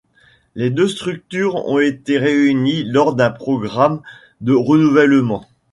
Les deux structures ont été réunies lors d'un programme de renouvellement.